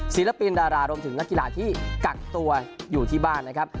ศิลปินดารารวมถึงนักกีฬาที่กักตัวอยู่ที่บ้านนะครับ